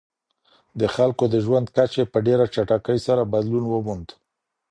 د خلګو د ژوند کچې په ډېره چټکۍ سره بدلون وموند.